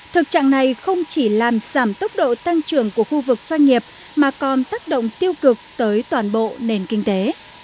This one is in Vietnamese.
thực trạng này không chỉ làm giảm tốc độ tăng trưởng của khu vực doanh nghiệp mà còn tác động tiêu cực tới toàn bộ nền kinh tế